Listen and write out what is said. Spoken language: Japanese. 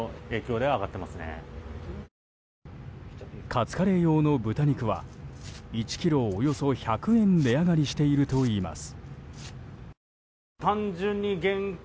カツカレー用の豚肉は１ｋｇおよそ１００円値上がりしているといいます。